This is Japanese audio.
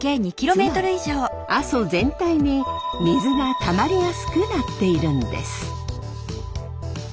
つまり阿蘇全体に水がたまりやすくなっているんです。